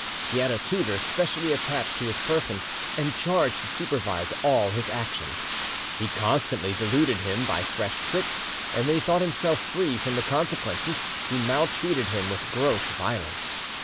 He had a tutor specially attached to his person and charged to supervise all his actions. He constantly deluded him by fresh tricks, and when he thought himself free from the consequences, he maltreated him with gross violence.